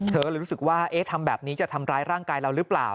เธอก็เลยรู้สึกว่าเอ๊ะทำแบบนี้จะทำร้ายร่างกายเราหรือเปล่า